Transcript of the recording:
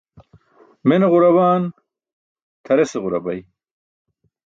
Mene ġurabaan? Tʰarese ġurabay.